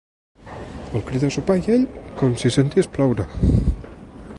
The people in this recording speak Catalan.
El crida a sopar i ell com si sentís ploure.